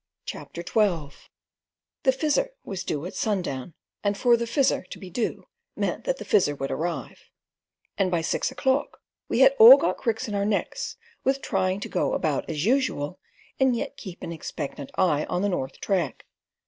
CHAPTER XII The Fizzer was due at sundown, and for the Fizzer to be due meant that the Fizzer would arrive, and by six o'clock we had all got cricks in our necks, with trying to go about as usual, and yet keep an expectant eye on the north track.